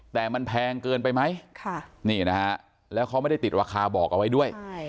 แต่มันแพงเกินไปไหมนี่นะฮะแล้วเขาไม่ได้ติดราคาบอกเอาไว้ด้วย